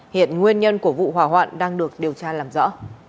hiện nguyên nhân của vụ hỏa hoạn đang được điều tra làm rõ